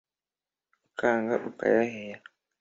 ukanga ukayahera.